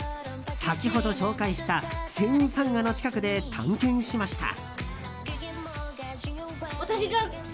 先ほど紹介したセウンサンガの近くで探検しました。